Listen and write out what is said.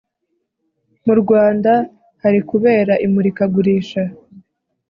mu Rwanda hari kubera imurika gurisha